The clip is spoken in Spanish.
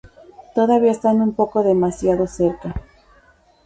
Todavía está un poco demasiado cerca.